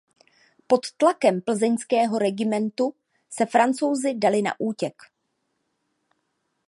Pod tlakem plzeňského regimentu se Francouzi dali na útěk.